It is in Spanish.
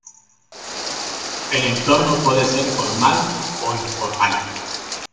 El entorno puede ser formal o informal.